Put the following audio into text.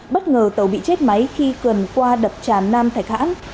bất ngờ tàu bị chết máy khi tuần qua đập tràn nam thạch hãn